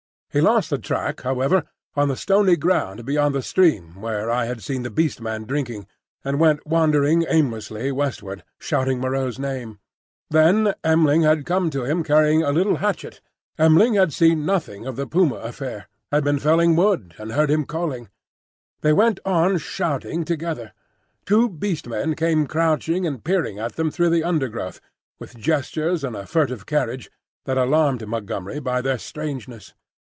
He lost the track, however, on the stony ground beyond the stream where I had seen the Beast Man drinking, and went wandering aimlessly westward shouting Moreau's name. Then M'ling had come to him carrying a light hatchet. M'ling had seen nothing of the puma affair; had been felling wood, and heard him calling. They went on shouting together. Two Beast Men came crouching and peering at them through the undergrowth, with gestures and a furtive carriage that alarmed Montgomery by their strangeness.